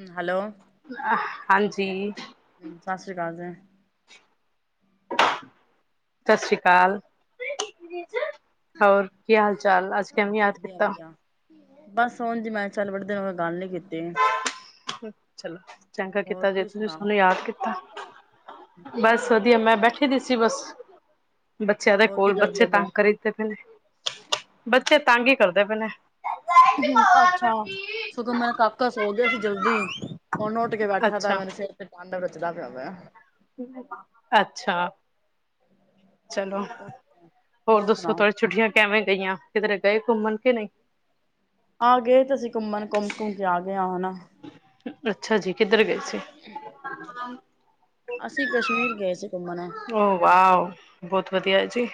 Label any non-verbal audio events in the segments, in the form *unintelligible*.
*inaudible* Hello ਅਅ ਹਾਂਜੀ। ਸਸ਼੍ਰੀ ਅਕਾਲ ਜੀ। *inaudible* ਸਸ੍ਰੀ ਅਕਾਲ। *unintelligible* ਹੋਰ ਕੀ ਹਾਲ- ਚਾਲ ਅੱਜ ਕਿਵੇਂ ਯਾਦ ਵਧੀਆ ਕੀਤਾ? ਵਧੀਆ, ਬਸ ਹੁਣ ਜੀ ਮੈਂ ਚੱਲ ਵੜਦੇ ਆ, ਹੁਣ ਗੱਲ ਨੀ ਕੀਤੀ। *inaudible* ਚਲੋ ਚੰਗਾ ਹੋਰ ਕੀਤਾ, ਜੇ ਤੁਸੀਂ ਸੁਣਾਓ? ਸਾਨੂੰ ਯਾਦ ਕੀਤਾ। ਬਸ ਵਧੀਆ ਮੈਂ ਬੈਠੀ ਦੀ ਸੀ ਬਸ, ਬੱਚਿਆਂ ਦੇ ਹੋਰ ਕੀ ਕੋਲ ਬੱਚੇ ਕਰਦੇ ਪਏ ਤੰਗ ਕਰੀ ਕਰਦੇ ਪਏ ਨੇ, ਬੱਚੇ ਤੰਗ ਹੀ ਕਰਦੇ ਪਏ ਨੇ। ਹੂੰ ਅੱਛਾ! ਸਗੋਂ ਮੇਰਾ ਕਾਕਾ ਸੋ ਗਿਆ ਸੀ ਜਲਦੀ ਹੁਣ ਉੱਠ ਕੇ ਬੈਠਾ ਤਾਂ ਅੱਛਾ ਮੇਰੇ ਸਿਰ ਤੇ ਡੰਡ ਰਚਦਾ ਪਿਆ ਗਾ। *inaudible* ਅੱਛਾ। ਚਲੋ, ਹੋਰ ਦੱਸੋ ਤੁਹਾਡੇ ਛੁੱਟੀਆਂ ਕਿਵੇਂ ਗਈਆਂ ਕਿਧਰੇ ਗਏ ਘੁੰਮਣ ਕੇ ਨਹੀਂ? ਆ ਗਏ ਤੇ ਅਸੀਂ ਘੁੰਮਣ ਘੁੰਮ -ਘੁੰਮ ਕੇ ਆ ਗਏ ਹਾਂ ਹਨਾ। ਅੱਛਾ ਜੀ, ਕਿੱਧਰ ਗਏ ਸੀ? *inaudible* ਅਸੀਂ ਕਸ਼ਮੀਰ ਗਏ ਸੀ ਘੁੰਮਣ ਉਹ ਵਾਓ, ਬਹੁਤ ਵਧੀਆ ਜੀ,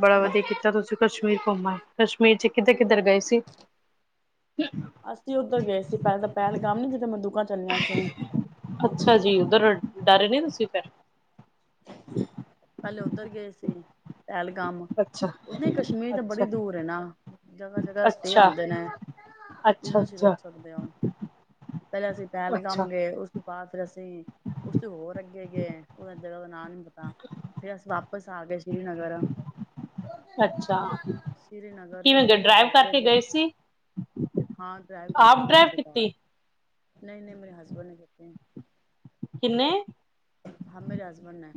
ਬੜਾ ਵਧੀਆ ਕੀਤਾ। ਜਦੋਂ ਤੁਸੀਂ ਕਸ਼ਮੀਰ ਘੁੰਮ ਆਏ ਕਸ਼ਮੀਰ 'ਚ ਕਿੱਧਰ ਕਿੱਧਰ ਗਏ ਸੀ। *inaudible* ਅਸੀਂ ਉੱਧਰ ਗਏ ਸੀ, ਪਹਿਲਾਂ ਤਾਂ ਪਹਿਲਗਾਮ ਨੀ ਜਿੱਥੇ ਮੰਦੂਕਾਂ ਚੱਲੀਆਂ ਸੀ। ਅੱਛਾ ਜੀ, ਉੱਧਰ ਡਰਦੇ ਨੀ ਪਏ ਤੁਸੀਂ *inaudible* ਪਹਿਲੇ ਉਧਰ ਗਏ ਸੀ। ਪਹਿਲਗਾਮ, ਅੱਛਾ ਉਸਨੇ ਕਸ਼ਮੀਰ ਤਾਂ ਬੜੀ ਅੱਛਾ ਦੂਰ ਇਹ ਨਾ ਜਗ੍ਹਾ-ਜਗ੍ਹਾ ਸਟੇਅ ਅੱਛਾ ਆਉਂਦੇ ਨੇ, ਕੀ ਅੱਛਾ ਤੁਸੀਂ ਅੱਛਾ ਰੁਕ ਸਕਦੇ ਹੋ? ਪਹਿਲਾਂ ਅਸੀਂ ਪਹਿਲਗਾਮ ਅੱਛਾ ਗਏ। ਉਸ ਤੋਂ ਬਾਅਦ ਫਿਰ ਅਸੀਂ, ਉਸ ਤੋਂ ਹੋਰ ਅੱਗੇ ਗਏ ਉਹ ਜਗ੍ਹਾ ਦਾ ਨਾਂ ਨੀ ਪਤਾ, ਫਿਰ ਅਸੀਂ ਵਾਪਿਸ ਆ ਗਏ ਸ੍ਰੀਨਗਰ ਅੱਛਾ! ਸ੍ਰੀਨਗਰ ਤੋਂ ਕਿਵੇਂ ਗਏ? ਫਿਰ ਅਸੀਂ ਡਰਾਈਵ ਅੱਗੇ ਕਰਕੇ ਗਏ ਸੀ। ਹਾਂ ਡਰਾਈਵ ਕਰਕੇ ਆਪ ਗਏ ਡਰਾਈਵ ਸੀ ਕੀਤੀ ਕਾਰ, ਨਹੀਂ -ਨਹੀਂ ਮੇਰੇ ਹਸਬੈਂਡ ਨੇ ਦੇਤੇੇ। ਕਿੰਨੇ ਹਾਂ ਮੇਰੇ ਹਸਬੈਂਡ ਨੇ।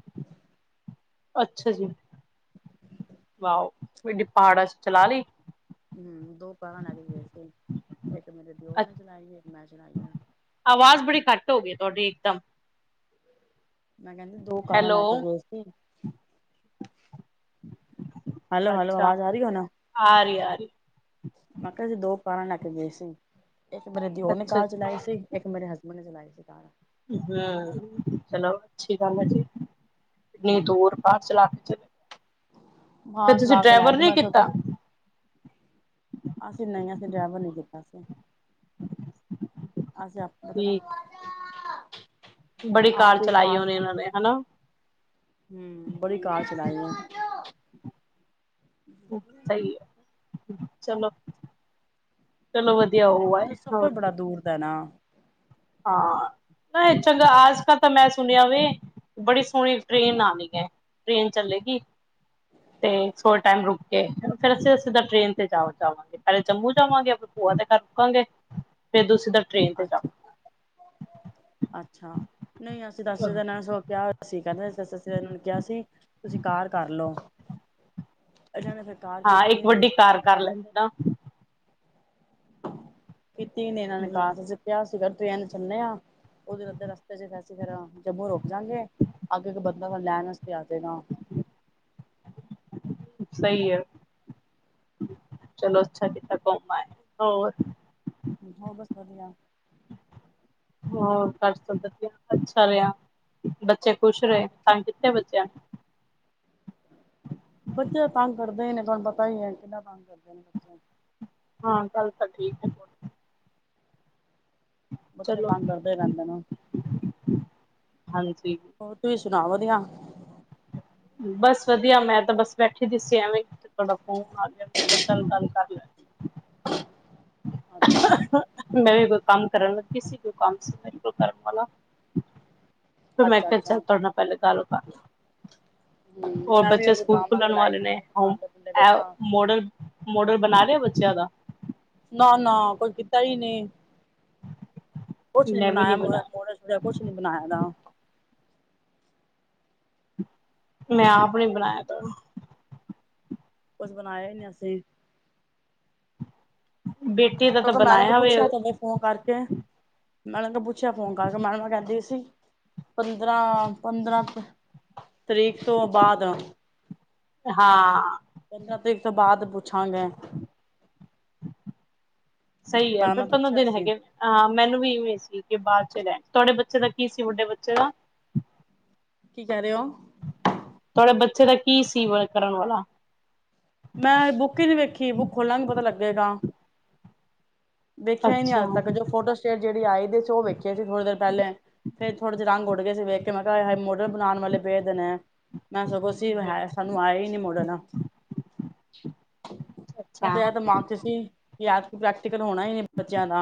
ਅੱਛਾ ਜੀ, ਵਾਓ, ਗੱਡੀ ਪਹਾੜਾਂ 'ਚ ਚਲਾ ਲਈ। ਹੂੰ ਦੋ ਭਰਾ ਨਾਲ ਵੀ ਗਏ ਸੀ। ਇੱਕ ਮੇਰੇ ਦਿਓਰ ਨੇ ਚਲਾਈ ਇੱਕ ਮੈਂ ਚਲਾਈ ਆ। ਆਵਾਜ਼ ਬੜੀ ਘੱਟ ਹੋ ਗਈ, ਤੁਹਾਡੀ ਇਕਦਮ ਮੈਂ ਕਹਿੰਦੀ ਦੋ ਕਾਰਾਂ ਹੈਲੋ ਲੈ ਕੇ ਗਏ ਸੀ। *inaudible* ਹੈਲੋ -ਹੈਲੋ ਅੱਛਾ ਆਵਾਜ਼ ਆ ਰਹੀ ਹੋ ਨਾ ਆ ਰਹੀ ਆ। ਮੈਂ ਕਿਹਾਸੀ ਦੋ ਕਾਰਾਂ ਲੈ ਕੇ ਗਏ ਸੀ। ਇੱਕ ਮੇਰੇ ਦਿਉਰ ਨੇ ਅੱਛਾ ਕਾਰ ਜੀ ਚਲਾਈ ਸੀ। ਇੱਕ ਮੇਰੇ ਹਸਬੈਂਡ ਨੇ ਚਲਾਈ ਸੀ ਕਾਰ। ਹਮ ਚਲੋ ਅੱਛੀ ਗੱਲ ਏ ਜੀ। ਐਨੀ ਹੂੰ। ਦੂਰ ਕਾਰ ਚਲਾ ਚ, ਹਾਂ ਫਿਰ ਤੁਸੀਂ ਚਲਾ ਕੇ ਲੈ ਡਰਾਈਵਰ ਗਏ ਨੇ ਮੈਂ ਸਗੋਂ ਕੀਤਾ। ਅਸੀਂ ਨਹੀਂ ਅਸੀਂ ਡਰਾਈਵਰ ਨੀ ਕੀਤਾ ਅਸੀ। ਅਸੀਂ ਆਪੇ ਮਤਲਬ ਜੀ *inaudible* ਬੜੀ ਕਾਰ ਆਪ ਹੀ ਚਲਾਈ ਇਹਨਾਂ ਨੇ ਹਨਾ। ਹਮ ਬੜੀ ਕਾਰ ਚਲਾਈ ਏ। ਓ ਸਹੀ ਏ, ਚਲੋ। ਚਲੋ, ਵਧੀਆ ਉਹਏ ਸਫ਼ਰ ਹੋਰ। ਬੜਾ ਦੂਰ ਦਾ ਨਾ। ਹਾਂ, ਨਾ ਚੰਗਾ ਆਜ ਕ ਤਾਂ ਮੈਂ ਸੁਣਿਆ ਵੇ ਬੜੀ ਸੋਹਣੀ ਟ੍ਰੇਨ ਆਣੀ ਏ, ਟ੍ਰੇਨ ਚਲੇੇਗੀ। ਤੇ ਥੋੜਾ ਟਾਈਮ ਰੁਕ ਕੇ। ਫਿਰ ਅਸੀਂ ਉ ਸਿੱਧਾ ਟਰੇੇਨ ਤੇ ਜਾ ਜਾਵਾਂਗੇ। ਪਹਿਲੇ ਜੰਮੂ ਜਾਵਾਂਗੇ ਆਪਣੇ ਭੂਆ ਦੇ ਘਰ ਰੁਕਾਂਗੇ। ਫੇਰ ਦੂਸੀ ਸਿੱਧਾ ਟ੍ਰੇਨ ਤੇ ਅੱਛਾ, ਅੱਛਾ। ਨਹੀਂ ਅਸੀਂ ਦੱਸ ਹੀ ਜਾਵਾਂਗੇ। ਦੇਣਾ ਸੌ ਕਿਆ ਅਸੀ ਕਹਿਨੇ ਅਸੀ ਐ ਅੱਸੀ ਕਿਹਾ ਸੀ ਤੁਸੀ ਕਾਰ ਕਰਲਓ। ਹਾਂ, ਕੀਤੀ ਇੱਕ ਨੇ ਵੱਡੀ ਕਾਰ ਕਰ ਲੈਦੇ ਨਾ। ਕੀਤੀ ਨੇ ਇਹਨਾਂ ਨੇ ਹੂੰ ਕਾਰ ਤੁਸੀਂ ਕਿਹਾ ਸੀਗਾ ਟਰੇਨ ਚੱਲੇ ਆ। ਉਧਰ ਅੱਧੇ ਰਸਤੇ ਚ ਅਸੀ ਫਿਰ ਜੰਮੂ ਰੁਕ ਜਾਂਗੇ, ਅੱਗੇ ਕੇ ਬੰਦਾ ਲੈਣ ਆਸਤੇ ਆਜੇਗਾ। *inaudible* ਸਹੀ ਏ। ਚਲੋ, ਅੱਛਾ ਕੀਤਾ ਘੁੰਮ‌ ਆਏ ਹੋਰ। ਹੋਰ, ਬਸ ਵਧੀਆ। ਹੋਰ, ਘਰ ਸਭ ਵਧੀਆ। ਅੱਛਾ ਰਿਹਾ, ਬੱਚੇ ਖੁਸ਼ ਰਹੇ। ਤਾਂ ਕਿਤਨੇ ਬੱਚੇ ਆ। ਬੱਚੇ ਤਾਂ ਤੰਗ ਕਰਦੇ ਨੇ, ਤੁਹਾਨੂੰ ਪਤਾ ਹੀ ਏ ਕਿੰਨਾ ਤੰਗ ਕਰਦੇ ਨੇ ਬੱਚਿਆਂ ਨੂੰ। ਹਾਂ, ਗੱਲ ਤਾਂ ਠੀਕ ਏ। ਬੱਚੇ ਚਲੋ ਤੰਗ ਕਰਦੇ ਹੀ ਰਹਿੰਦੇ ਨੇ। ਹਾਂਜੀ। ਹੋਰ, ਤੁਸੀਂ ਸੁਣਾਓ ਵਧੀਆ। ਬਸ, ਵਧੀਆ ਮੈਂ ਤਾਂ ਬਸ ਬੈਠੀ ਦੀ ਸੀ ਐਵੇਂ ਤੁਹਾਡਾ ਫੋਨ ਆ ਗਿਆ ਮੈਂ ਕਿਹਾ ਚੱਲ ਗੱਲ ਕਰਲਾ। ਅੱਛਾ ਮੈਂ ਵੀ ਕੋਈ ਕੰਮ ਕਰਨ ਲੱਗੀ ਸੀ। ਕੋਈ ਕੰਮ ਸੀ ਮੇਰੇ ਕੋਈ ਕਰਨ ਵਾਲਾ। ਮੈਂ ਅੱਛਾ ਕਿਹਾ ਅੱਛਾ ਚੱਲ, ਤੁਹਾਡੇ ਨਾਲ ਪਹਿਲੇ ਗੱਲ ਕਰਲਾ। ਹਮ ਔਰ ਮੈਂ ਵੀ ਬੱਚੇ ਸਕੂਲ ਗਾਵਾਂ ਖੁੱਲਣ ਕੋਲ ਆਈ ਵਾਲੇ ਸੀ ਨੇ। ਮੈਂ ਹੋ ਭਾਂਡੇ ਭੂੰਡੇ ਐ ਵੇਖਾਂ ਮੋਡਲ ਮੋਡਲ ਬਣਾਲਿਆ ਬੱਚਿਆਂ ਦਾ। ਨਾ-ਨਾ ਕੋਈ ਕੀਤਾ ਹੀ ਨਹੀਂ। ਕੁਛ ਨੀ ਮੈਂ ਵੀ ਬਨਾਇਆ ਮੋਹ ਬਣਾਇਆ ਮੋਡਲ ਕੁਛ ਨੀ ਬਣਾਇਆ ਨਾ। ਮੈਂ ਆਪ ਨੇ ਬਣਾਇਆ ਤਾਂ। ਕੁਛ ਬਣਾਇਆ ਹੀ ਨਹੀਂ ਅਸੀ। ਬੇਟੀ ਦਾ ਤਾਂ ਸਗੋਂ ਮੈਡਮ ਨੇ ਬਣਾਇਆ ਵੇ ਪੁੱਛਿਆ ਕਹਿੰਦੇ ਫ਼ੋਨ ਕਰਕੇ। ਮੈਡਮ ਨੂੰ ਪੁੱਛਿਆ ਫੋਨ ਕਰਕੇ ਮੈਡਮ ਕਹਿੰਦੇ ਸੀ। ਪੰਦਰਾਂ- ਪੰਦਰਾਂ ਤਰੀਕ ਤੋਂ ਬਾਅਦ। ਹਾਂ। ਪੰਦਰਾਂ ਤਰੀਕ ਤੋਂ ਬਾਅਦ ਪੁੱਛਾਂਗੇ? ਸਹੀ ਏ, ਮੈਡਮ ਫਿਰ ਨੇ ਪੰਦਰਾਂ ਪੁੱਛਿਆ ਦਿਨ ਸੀ ਹੈਗੇ। ਅਹ ਮੈਨੂੰ ਵੀ ਇਵੇਂ ਸੀ ਕਿ ਬਾਅਦ 'ਚ' ਰਹਿ ਤੁਹਾਡੇ ਬੱਚੇ ਦਾ ਕੀ ਸੀ ਵੱਡੇ ਬੱਚੇ ਦਾ। ਕੀ, ਕਹਿ ਰਹੇ ਓ? ਤੁਹਾਡੇ ਬੱਚੇ ਦਾ ਕੀ ਸੀ, ਵਰਕ ਕਰਨ ਵਾਲਾ‌। ਮੈਂ ਬੁੱਕ ਹੀ ਨੀ ਵੇਖੀ, ਬੁੱਕ ਖੋਲਾਂਗੇ ਪਤਾ ਲੱਗੇਗਾ। ਦੇਖਿਆ ਹੀ ਨਹੀਂ ਅੱਛਾ ਅੱਜ ਤੱਕ ਜੋ ਫੋਟੋ ਸਟੇਟ ਜਿਹੜੀ ਆਈ ਸੀ। ਉਹ ਵੇਖਿਆ ਸੀ, ਥੋੜ੍ਹੀ ਦੇਰ ਪਹਿਲੇ। ਫੇਰ ਥੋੜਾ ਜਿਹੇ ਰੰਗ ਉੱਡ ਗਏ ਸੀ। ਵੇਖ ਮੈਂ ਕਿਹਾ ਮੋਡਲ ਬਨਾਣ ਵਾਲੇ ਪਏ ਦੇ ਨੇ। ਮੈਂ ਸਗੋਂ ਸੀ ਹੈ। ਸਾਨੂੰ ਆਇਆ ਹੀ ਨਹੀ ਮੋਡਲ। ਮੈਂ ਅੱਛਾ ਤੇ ਇਹ ਦਿਮਾਗ 'ਚ' ਸੀ। ਵੀ ਐਤਕੀ ਪ੍ਰੈਕਟੀਕਲ ਹੋਣਾ ਹੀ ਨਹੀਂ ਬੱਚਿਆਂ ਦਾ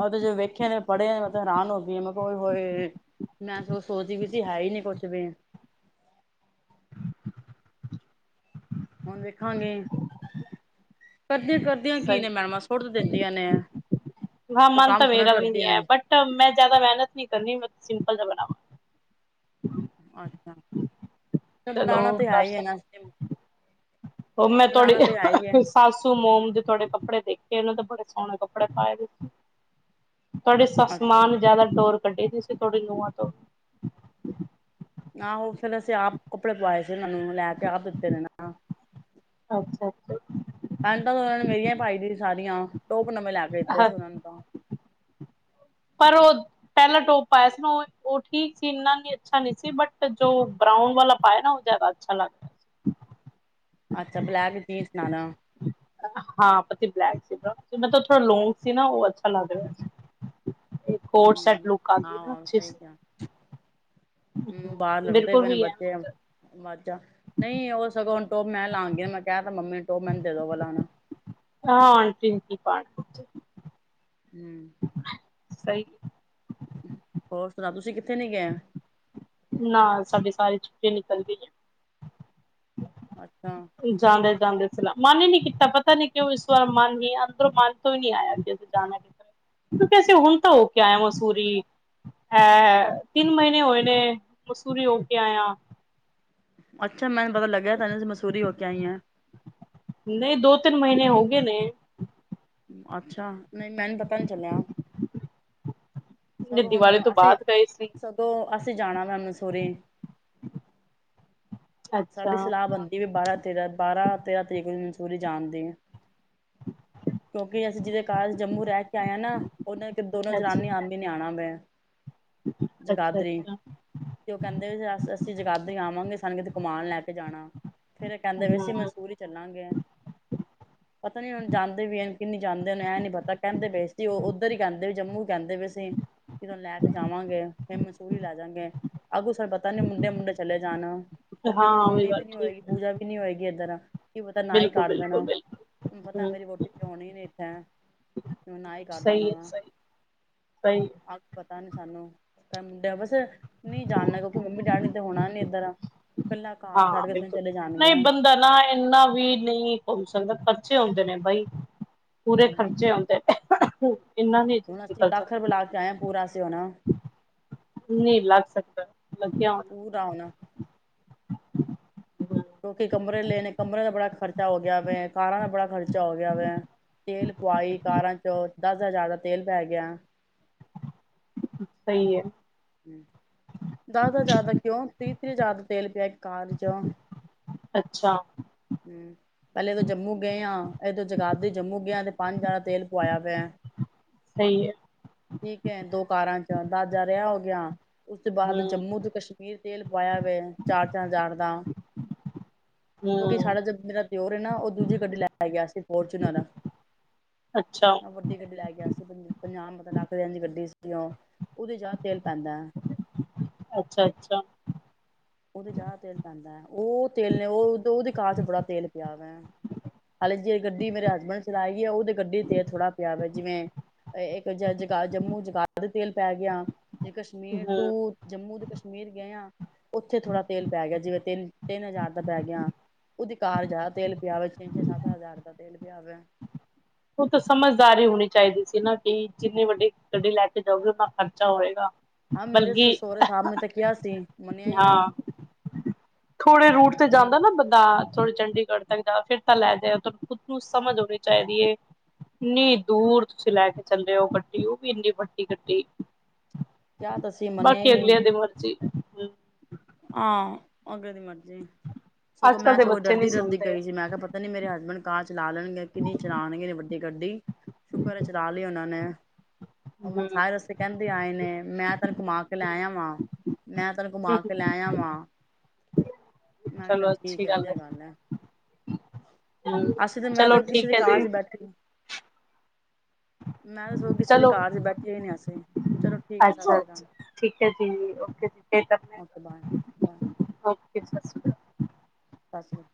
ਉਹਦੇ 'ਚ' ਵੇਖਿਆ ਤੇ ਪੜ੍ਹਿਆ ਮੈਂ ਤਾਂ ਹੈਰਾਨ ਹੋਗੀ ਹੈ। ਮੈਂ ਕਿਹਾ ਉਏ ਹੋਏ। ਮੈਂ ਸ ਸੋਚਦੀ ਵੀ ਸੀ ਹੈ ਹੀ ਨੀ ਕੁਛ ਵੀ। ਹੁਣ ਵੇਖਾਗੇ। ਕਰਦੀਆਂ-ਕਰਦੀਆਂ ਕੀ ਸਹੀ ਨੇ ਮੈਡਮਾਂ ਸੁੱਟ ਦਿੰਦੀਆਂ ਨੇ, ਕੋਈ ਕੰਮ ਥੋੜਾ ਕਰਦੀਆਂ ਨੇ? ਤਵ ਮੈਂ ਜਿਆਦਾ ਮਿਹਨਤ ਨੀ ਕਰਨੀ। ਮੈ ਤੇ ਸਿੰਪਲ ਜਾ ਬਣਾਓ। ਅੱਛਾ, ' *inaudible* ' ਚਲੋ ਬਣਾਉਣਾ ਹੋਰ ਤਾਂ ਐ ਕਰ ਹੀ ਹੈ ਸਕ ਨਾ ਸਿੰਪਲ। ਉਹ ਮੈਂ ਥੋੜੀ ਸਾਸੂ ਮੋਮ ਦੀ ਥੋਡੇ ਕੱਪੜੇ ਦੇਖੇ, ਉਹਨੇ ਤਾਂ ਬੜੇ ਸੋਹਣੇ ਕੱਪੜੇ ਪਾਏ ਵੇ ਸੀ। ਤੁਹਾਡੇ ਸੱਸ ਮਾਂ ਅੱਛਾ। ਨੂੰ ਜ਼ਿਆਦਾ ਡੋਰ ਕੱਢੀ ਤੁਸੀ ਤੁਹਾਡੀ ਨੂੰਹਾਂ ਤੋਂ ਆਹੋ, ਫੇਰ ਅਸੀਂ ਆਪ ਕੱਪੜੇ ਪਾਵਾਏ ਸੀ ਨਾ ਓਹਨਾ ਨੂੰ ਲੈ ਕੇ ਆਪ ਦਿੱਤੇ ਨੇ ਨਾ। ਅੱਛਾ-ਅੱਛਾ। ਪੈਂਟਾਂ ਤਾਂ ਉਹਨਾਂ ਨੇ ਮੇਰੀਆਂ ਹੀ ਪਾਈ ਦੀਆਂ ਸਾਰੀਆਂ ਟੋਪ ਨਵੇਂ ਲੈ ਕੇ ਦਿੱਤੇ ਸੀ। ਉਹਨਾਂ ਨੂੰ ਤਾਂ ਪਰਓਦ ਪਹਿਲਾ ਟੋਪ ਪਾਇਆ ਸੀ ਨਾ, ਉਹ ਠੀਕ ਸੀ ਇੰਨਾ ਅੱਛਾ ਨਹੀਂ ਸੀ। ਬਟ ਜੋ ਬਰਾਊਨ ਵਾਲਾ ਪਾਇਆ ਨਾ ਜਿਆਦਾ ਅੱਛਾ ਲੱਗ। ਅੱਛਾ, ਬਲੈਕ ਜੀਨਸ ਨਾਨ ਹਾਂ, ਪਤੀ ਬਲੈਕ ਜੀਨ, ਨਾਲ ਥੋੜਾ ਲੋਂਂਗ ਸੀ ਨਾ ਉਹ ਅੱਛਾ ਲੱਗ ਰਿਹਾ ਸੀ। ਹੂ ਹਾਂ ਆ ਅੱਛੀ ਸਹੀ ਆ। ਸੀ ਹ ਬਾਹਰ ਲੜਦੇ ਬਿਲਕੁਲ ਪਏ ਨੇ ਵੀ ਹੈ ਬੱਚੇ। ਮੱਝ ਆ ਨਹੀਂ ਉਹ ਸਗੋਂ ਹੁਣ ਟੋਪ ਮੈਂ ਲਾਵਾਗੀ ਮੈਂ ਕਿਹਾ ਤਾਂ ਮੰਮੀ ਟੋਪ ਮੈਨੂੰ ਦੇ ਦੋ ਓਹ ਵਾਲਾ ਹੁਣ। ਹਾਂ ਅੰਟੀ ਵੀ ਕੀ ਪਾਣ ਹੂ ' *inaudible* ' ਸਹੀ। ਹੋਰ ਸੁਣਾ, ਤੁਸੀਂ ਕਿੱਥੇ ਨੀ ਗਏ? ਨਾ ਸਾਡੀ ਸਾਰੀ ਛੁੱਟੀ ਨਿਕਲ ਗਈ ਏ। ਅੱਛਾ। ਜਾਂਦੇ-ਜਾਂਦੇ ਸਲਾਹ, ਮਨ ਹੀ ਨਹੀ ਕੀਤਾ ਪਤਾ ਨੀ ਕਿਉਂ, ਇਸ ਵਾਰ ਮਨ ਹੀ ਅੰਦਰੋਂ ਮਨ ਤੋ ਨੀ ਆਇਆ ਵੀ ਅੱਜ ਅਸੀ ਜਾਣਾ ਕਿਉਂਕਿ, ਅਸੀਂ ਹੁਣ ਤਾਂ ਹੋਕੇ ਆਏ ਮਸੂਰੀ ਐ-ਐ। ਤਿੰਨ ਮਹੀਨੇ ਹੋਏ ਨੇ ਮਸੂਰੀ ਹੋ ਕੇ ਆਇਆ। ਅੱਛਾ, ਮੈਨੂੰ ਪਤਾ ਲੱਗਿਆ ਤੈਨੂੰ ਮਸੂਰੀ ਹੋ ਕੇ ਆਈ ਆ। ਨਹੀਂ ਦੋ, ਤਿੰਨ ਮਹੀਨੇ ਹੋਗੇ ਨੇ। ਅੱਛਾ, ਨਹੀਂ ਮੈਨੂੰ ਪਤਾ ਨੀ ਚੱਲਿਆ। ਜੇ ਸਗੋਂ ਹੁਣ ਦੀਵਾਲੀ ਤੋਂ ਅਸੀਂ, ਬਾਅਦ ਗਏ ਸੀ ਸਗੋਂ ਅਸੀਂ ਜਾਣਾ ਮੈਮ ਮਸੂਰੀ। ' *inaudible* ਸਾਡੀ ਸਲਾਹ ਬਣਦੀ ਵੀ ਬਾਰਾਂ, ਤੇਰਾਂ, ਬਾਰਾਂ, ਤੇਰਾਂ ਤਰੀਕ ਨੂੰ ਮਸੂਰੀ ਜਾਣਦੀ। ਕਿਉਂਕਿ ਅਸੀਂ ਜਿਹਦੇ ਘਰ ਜੰਮੂ ਰਹਿ ਕੇ ਆਏ ਆ ਨਾ ਉਹਨਾਂ ਤੇ ਦੋਨੋ ਅੱਛਾ ਜਨਾਨੀ ਆਉਂ। ਵੀ ਨਿਆਣਾ ਵੇ ਅੱਛਾ ਜਗਾਦਰੀ। ਅੱਛਾ ਤੇ ਉਹ ਕਹਿੰਦੇ ਵੀ ਅਸੀਂ ਜਗਾਦਰੀ ਆਵਾਂਗੇ। ਸਾਨੂੰ ਕਿਤੇ ਕਮਾਨ ਲੈ ਕੇ ਜਾਣਾ ਫਿਰ ਕਹਿੰਦੇ ਵੀ ਅਸੀਂ ਹਮ ਮਨਸੂਰੀ ਚੱਲਾਂਗੇ। ਪਤਾ ਨੀ ਹੁਣ ਵੀ ਜਾਂਦੇ ਵੀ ਕੇ ਨਹੀਂ ਜਾਂਦੇ ਮੈਨੂੰ ਇਹ ਨਹੀਂ ਪਤਾ ਕਹਿੰਦੇ ਪਏ ਸੀ। ਉਹ ਉੱਧਰ ਹੀ ਕਹਿੰਦੇ ਪਏ ਵੀ ਜੰਮੂ ਹੀ ਕਹਿੰਦੇ ਪਏ ਸੀ। ਕੀ ਤੈਨੂੰ ਲੈ ਕੇ ਜਾਵਾਂਗੇ? ਫਿਰ ਮਨਸੂਰੀ ਲੈ ਜਾਗੇ ਅੱਗੂ ਸਾਨੂੰ ਪਤਾ ਨੀ ਮੁੰਡੇ-ਮੁੰਡੇ ਚਲੇ ਜਾਣ। ਕਿਉਂਕਿ ਹਾਂ ਮੇਰੀ ਉਹੀ ਮੰਮੀ ਵੀ ਗੱਲ ਨੀ ਠੀਕ ਹੋਏਗੀ ਹੈ ਪੂਜਾ ਵੀ ਨੀ ਹੋਏਗੀ ਇੱਧਰ। ਕੀ ਪਤਾ ਨਾ ਹੀ ਬਿਲਕੁਲ ਕੱਟ ਦੇਣਾ ਬਿਲਕੁਲ ਬਿਲਕੁਲ ਕੀ ਪਤਾ ਹਮ ਮੇਰੀ ਵੋਟੀ ਕਿਉਂ ਨੀ ਇੱਥੇ। ਮਨਾ ਹੀ ਕਰ ਸਹੀ ਹੈ ਦਾਂਵਾਗਾ। ਸਹੀ ਸਹੀ ਏ। ਪਤਾ ਨੀ ਸਾਨੂੰ ਤਾਂ ਮੁੰਡਿਆਂ ਬਸ ਨਹੀਂ ਜਾਣਨਾ ਕਿਉਕਿ ਮੰਮੀ-ਡੈਡੀ ਤੇ ਹੋਣਾ ਨੀ ਇੱਧਰ। ਕੱਲਾ ਘਰ ਹਾਂ ਛੱਡ ਕੇ ਥੋੜੀ ਬਿਲਕੁਲ ਚਲੇ ਜਾਣਗੇ ਨਹੀਂ ਬੰਦਾ ਨਾ ਇੰਨਾ ਵੀ ਨਹੀਂ ਹੋ ਸਕਦਾ। ਖਰਚੇ ਆਦੇ ਨੇ ਬਾਈ ਪੂਰੇ ਹੂੰ ਖਰਚੇ ਆਉਦੇ ਨੇ। ਇੰਨਾ ਨਹੀਂ ਹੁਣ ਅਸੀ ਨਿਕਲ ਲੱਖ ਰੁਪਏ ਸਕਦਾ ਲਾ ਕੇ ਆਏ ਹਾਂ ਪੂਰਾ ਅਸੀ ਹੁਣ। ਨਹੀਂ ਲਗ ਸਕਦਾ, ਲੱਗਿਆ ਹੋਣਾ। ਪੂਰਾ ਆਉਣਾ। *inaudible* ਕਿਉਕਿ ਕਮਰੇ ਲੈਣੇ। ਕਮਰਿਆਂ ਦਾ ਬੜਾ ਖਰਚਾ ਹੋ ਗਿਆ ਵੇ। ਕਾਰਾਂ ਦਾ ਬੜਾ ਖਰਚਾ ਹੋ ਗਿਆ ਵੇ। ਤੇਲ ਪੁਆਈ ਕਾਰਾਂ ਚੋਂ ਦਸ ਹਜ਼ਾਰ ਦਾ ਤੇਲ ਪੈ ਗਿਆ। ਸਹੀ ਏ। ਦਸ ਹਜਾਰ ਦਾ ਕਿਉ? ਤੀਹ-ਤੀਹ ਹਜਾਰ ਦਾ ਤੇਲ ਪਿਆ ਇੱਕ ਕਾਰ 'ਚ। ਅੱਛਾ। ਹੂੰ ਪਹਿਲੇ ਤਾਂ ਜੰਮੂ ਗਏ ਆ। ਇਹ ਤੋਂ ਜਗਾਤਦੀ ਜੰਮੂ ਗਏ ਐ ਤੇ ਪੰਜ ਹਜਾਰ ਦਾ ਤੇਲ ਪਇਆ ਪਿਆ। ਸਹੀ ਏ। ਠੀਕ ਏ। ਦੋ ਕਾਰਾਂ 'ਚ ਦਸ ਹਜਾਰ ਇਹ ਹੋ ਗਿਆ। ਉਸ ਤੋਂ ਬਾਅਦ ਹੂੰ ਜੰਮੂ ਤੋਂ ਕਸ਼ਮੀਰ ਤੇਲ ਪਵਾਇਆ ਹੋਇਆ ਚਾਰ-ਚਾਰ ਹਜ਼ਾਰ ਦਾ। ਕਿਉਕਿ ਹੂੰ ਸਾਡਾ ਜੋ ਮੇਰਾ ਦਿਓਰ ਨਾ ਉਹ ਦੂਜੀ ਗੱਡੀ ਲੈ ਗਿਆ ਸੀ ਫੋਰਚੂਨਰ। ਅੱਛਾ। ਦੀ ਗੱਡੀ ਲੈ ਗਿਆ ਸੀ ਪੰਜਾਹ ਮਤਲਬ ਲੱਖ ਦੇ ਦੀ ਗੱਡੀ ਸੀ। ਉਹ, ਉਹਦੇ 'ਚ ਆਹ ਤੇਲ ਪੈਦਾ। ਅੱਛਾ ਅੱਛਾ। ਉਹ ਤੇ ਜ਼ਿਆਦਾ ਤੇਲ ਪੈਂਦਾ ਏ। ਉਹ ਤੇਲ ਨੇ ਉਹ ਉਹਦੇ ਕਾਰ ਚ ਬੜਾ ਤੇਲ ਪਿਆ ਵਾ। ਹਾਲੇ ਜੇ ਗੱਡੀ ਮੇਰੇ ਹਸਬੈਂਡ ਚਲਾਈ ਗਈ। ਉਹਦੇ ਗੱਡੀ ਤੇ ਥੋੜ੍ਹਾ ਪਿਆ ਵ ਜਿਵੇਂ ਇੱਕ ਜਗਾ ਜੰਮੂ ਜਗਾ ਦੇ ਤੇਲ ਪੈ ਗਿਆ। ਜੇ ਕਸ਼ਮੀਰ ਟੂ ਹੂੰ ਜੰਮੂ ਤੋਂ ਕਸ਼ਮੀਰ ਗਏ ਆ। ਉੱਥੇ ਥੋੜ੍ਹਾ ਤੇਲ ਪੈ ਗਿਆ। ਜਿਵੇਂ ਤਿੰਨ-ਤਿੰਨ ਹਜ਼ਾਰ ਦਾ ਪੈ ਗਿਆ। ਉਹਦੀ ਕਾਰ ਜਿਆਦਾ ਤੇਲ ਪਿਆ ਵੇ। ਛੇ-ਛੇ, ਸੱਤ-ਸੱਤ ਹਜ਼ਾਰ ਦਾ ਤੇਲ ਪਿਆ ਵੇ। ਉਹ ਤੇ ਸਮਝਦਾਰੀ ਹੀ ਹੋਣੀ ਚਾਹੀਦੀ ਸੀ ਨਾ ਕਿ ਜਿੰਨੀ ਵੱਡੀ ਗੱਡੀ ਲੈ ਕੇ ਜਾਓਗੇ ਓਨਾ ਖਰਚਾ ਹੋਏਗਾ। ਹਾਂ ਮੇਰੇ ਬਲਕਿ ਸੁਸਹੁਰੇ ਸਾਹਿਬ ਨੇ ਤੇ ਕਿਹਾ ਸੀ। ਮੰਨਿਆ ਹੀ ਨਹੀਂ ਹਾਂ ਉਹ। ਥੋੜੇ ਰੂਟ ਤੇ ਜਾਂਦਾ ਨਾ ਬੰਦਾ ਥੋੜੇ ਚੰਡੀ- ਗੜ ਤੱਕ ਜਾਵੇ। ਫਿਰ ਤੇ ਲੈਜੇ ਆ ਤੁਹਾਨੂੰ ਖੁਦ ਨੂੰ ਸਮਝ ਹੋਣੀ ਚਾਹੀਦੀ ਐ। ਇੰਨੀ ਦੂਰ ਤੁਸੀ ਲੈ ਕੇ ਚੱਲੇ ਹੋ ਗੱਡੀ, ਉਹ ਵੀ ਇੰਨੀ ਵੱਡੀ ਗੱਡੀ। ਕਿਹਾ ਤਾਂ ਸੀ ਮੰਨਿਆ ਹੀ ਬਾਕੀ ਨਹੀਂ ਅਗਲਿਆਂ ਦੀ ਮਰਜ਼ੀ। ਹੂੰ ਹਾਂ ਅਗਲੇ ਦੀ ਮਰਜ਼ੀ ਆ ਸੋਂ ਅੱਜ ਕੱਲ ਮੈਂ ਦੇ ਸੋਂਗ ਬੱਚੇ ਨਹੀਂ ਡਰਦੀ-ਡਰਦੀ ਸੁਣਦੇ ਗਈ ਸੀ। ਮੈਂ ਕਿਹਾ ਪਤਾ ਪਤਾ ਨੀ ਮੇਰੇ ਹਸਬੈਂਡ ਕਾਰ ਚਲਾ ਲੈਣਗੇ ਕਿ ਨਹੀ ਚਲਾਣਗੇ ਵੱਡੀ ਗੱਡੀ ਸ਼ੁਕਰਾ ਚਲਾ ਲਈ ਉਹਨਾਂ ਨੇ। ਔ ਮੈਨੂੰ ਹੂੰ ਸਾਰੇ ਰਸਤੇ ਕਹਿੰਦੇ ਆਏ ਨੇ। ਮੈਂ ਤਹਾਨੂੰ ਘੁਮਾ ਕੇ ਲੈ ਆ ਵਾਂ। ਮੈਂ ਤਹਨੂੰ ਘੁਮਾ ਕੇ। ਲੈ ਆ ਵਾਂ ਮੈਖਾ ਚੱਲ ਚਲੋ ਠੀਕ ਅੱਛੀ ਆ ਹੈ ਵਧੀਆ ਗੱਲ ਆ ਹੂੰ ਅਸੀਂ ਤਾਂ ਮੈਂ ਚਲੋ ਤਾਂ ਕਿਸੇ ਦੇ ਠੀਕ ਹੈ ਕਾਰ ਜੀ 'ਚ ਬੈਠੇ ਮੈਂ ਤਾਂ ਸੋਚਦੀ ਸੀ ਕਿ ਚਲੋ ਕਾਰ 'ਚ ਬੈਠੇ ਹੀ ਨੀ ਅਸੀਂ ਚਲੋ ਠੀਕ ਐ। ਸਸਰੀਕਾਲ। ਅੱਛਾ-ਅੱਛਾ ਠੀਕ ਹੈ ਜੀ, ਓਕੇ ਜੀ, ਕੀ ਕਰ ਰਹੇ ਓਕੇ ਬਾਏ ਬਾਏ ਹੋ, ਓਕੇ ਸਤਿ ਸ਼੍ਰੀ ਅਕਾਲ। ਸਤਿ ਸ਼੍ਰੀ